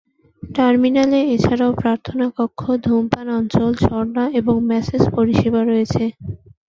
টার্মিনালে এছাড়াও প্রার্থনা কক্ষ, ধূমপান অঞ্চল, ঝরনা এবং ম্যাসেজ পরিষেবা রয়েছে।